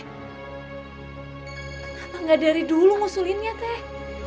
kenapa gak dari dulu ngusulinnya teh